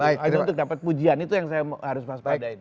itu untuk dapat pujian itu yang saya harus paspadain